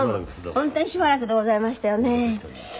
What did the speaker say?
本当にしばらくでございましたよね。